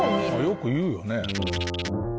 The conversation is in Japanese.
よく言うよね。